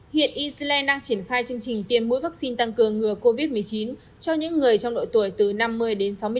hiện eceland đang triển khai chương trình tiêm mũi vaccine tăng cường ngừa covid một mươi chín cho những người trong độ tuổi từ năm mươi đến sáu mươi sáu